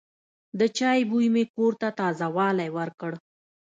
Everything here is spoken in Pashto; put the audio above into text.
د چای بوی مې کور ته تازه والی ورکړ.